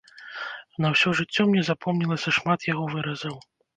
На ўсё жыццё мне запомнілася шмат яго выразаў.